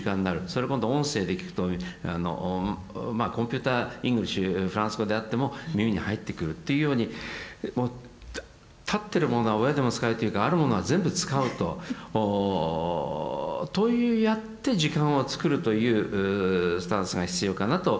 それ今度音声で聞くとまあコンピューターイングリッシュフランス語であっても耳に入ってくるというように立ってるものは親でも使えというかあるものは全部使うとというやって時間をつくるというスタンスが必要かなと思っております。